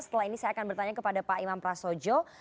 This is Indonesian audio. setelah ini saya akan bertanya kepada pak imam prasojo